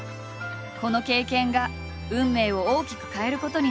この経験が運命を大きく変えることになる。